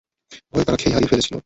ভয়ে তারা খেই হারিয়ে ফেলেছিল।